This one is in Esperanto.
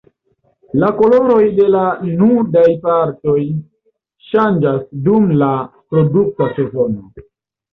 La koloroj de la nudaj partoj ŝanĝas dum la reprodukta sezono.